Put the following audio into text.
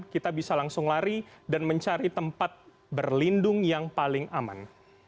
kita bisa langsung lari dan mencari tempat berlindung yang paling aman